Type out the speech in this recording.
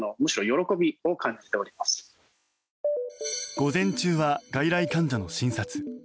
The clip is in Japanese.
午前中は外来患者の診察。